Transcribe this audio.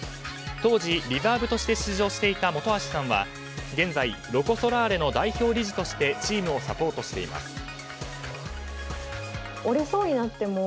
当時、リザーブとして出場していた本橋さんは現在、ロコ・ソラーレの代表理事としてチームをサポートしています。